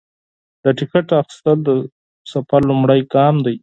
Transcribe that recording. د ټکټ اخیستل د سفر لومړی ګام دی.